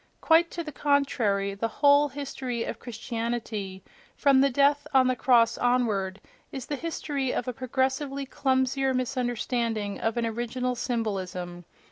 Quite to the contrary, the whole history of Christianity—from the death on the cross onward—is the history of a progressively clumsier misunderstanding of an original symbolism.